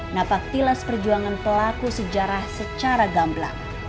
napaktilas perjuangan pelaku sejarah secara gamblang